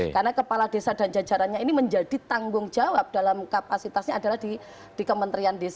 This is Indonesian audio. karena kepala desa dan jajarannya ini menjadi tanggung jawab dalam kapasitasnya adalah dikementerian